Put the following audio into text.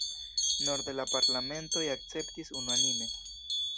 Norde la parlamentoj akceptis unuanime.